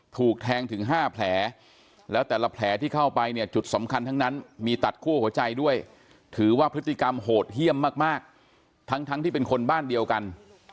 ถูกแทงถึง๕แผลแล้วแต่ละแผลที่เข้าไปเนี่ยจุดสำคัญทั้งนั้นมีตัดคั่วหัวใจด้วยถือว่าพฤติกรรมโหดเยี่ยมมากทั้งที่เป็นคนบ้านเดียวกัน